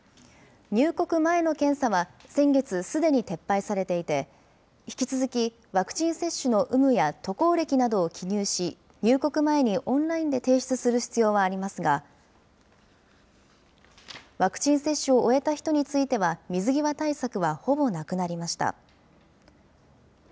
入国前の検査は、先月すでに撤廃されていて、引き続き、ワクチン接種の有無や渡航歴などを記入し、入国前にオンラインで提出する必要はありますが、ワクチン接種を終えた人については、水際対策はほぼなくなりました。